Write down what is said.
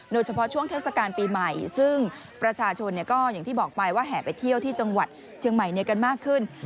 โดยเฉพาะช่วงเทศกาลปีใหม่ซึ่งประชาชนก็อย่างที่บอกไปว่าแห่ไปเที่ยวที่จังหวัดเชียงใหม่กันมากขึ้น